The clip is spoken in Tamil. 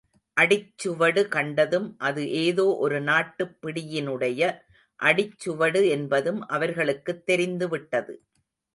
அடிச்சுவடு கண்டதும் அது ஏதோ ஒரு நாட்டுப் பிடியினுடைய அடிச்சுவடு என்பதும் அவர்களுக்குத் தெரிந்து விட்டது.